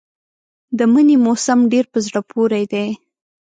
د مني موسم ډېر په زړه پورې دی.